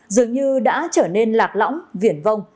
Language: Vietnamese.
dường như đã trở nên lạc lõng viển vong